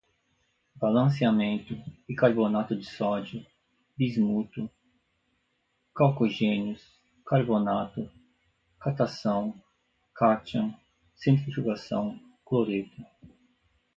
balanceamento, bicarbonato de sódio, bismuto, calcogênios, carbonato, catação, cátion, centrifugação, cloreto